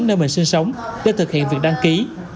nơi mình sinh sống để thực hiện việc đăng ký